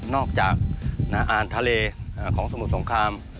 จากอาหารทะเลของสมุทรสงคราม